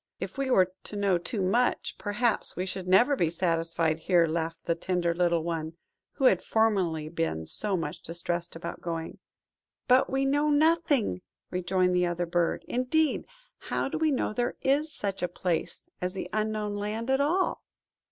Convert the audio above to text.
"If we were to know too much, perhaps we should never be satisfied here," laughed the tender little one, who had formerly been so much distressed about going. "But we know nothing," rejoined the other bird; "indeed, how do we know there is such a place as the Unknown Land at all?"